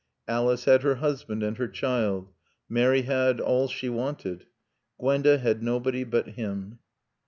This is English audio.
Alice had her husband and her child. Mary had all she wanted. Gwenda had nobody but him.